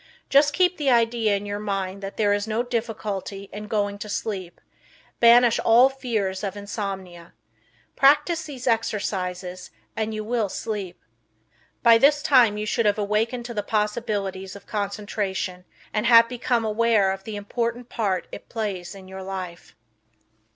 Just keep the idea in your mind that there is no difficulty in going to sleep; banish all fear of insomnia. Practice these exercises and you will sleep. By this time you should have awakened to the possibilities of concentration and have become aware of the important part it plays in your life.